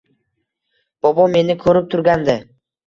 Bobo meni ko‘rib turgandi.